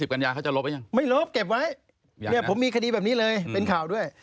กัญญาเขาจะลบหรือยังไม่ลบเก็บไว้เนี่ยผมมีคดีแบบนี้เลยเป็นข่าวด้วย